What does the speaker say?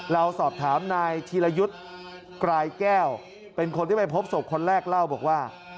เราสอบถามนายธีรยุทธ์กรายแก้วเป็นคนที่ไปพบศพคนแรกเล่าบอกว่า